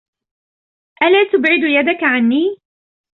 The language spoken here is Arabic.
ألا تبعد يدك عني ؟